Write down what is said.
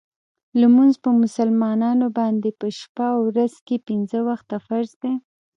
لمونځ په مسلمانانو باندې په شپه او ورځ کې پنځه وخته فرض دی .